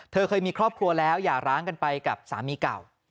เคยมีครอบครัวแล้วอย่าร้างกันไปกับสามีเก่า